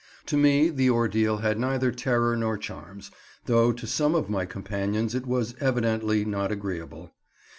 To me the ordeal had neither terror nor charms, though to some of my companions it was evidently not agreeable.